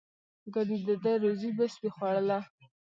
ګنې د ده روزي به سپي خوړله.